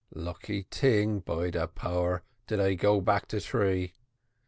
Lucky ting, by de power, dat I go back to tree.